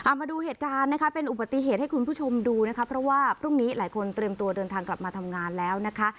มาดูเหตุการณ์นะคะเป็นอุบัติเหตุให้คุณผู้ชมดูนะคะเพราะว่าพรุ่งนี้หลายคนเตรียมตัวเดินทางกลับมาทำงานแล้วนะคะ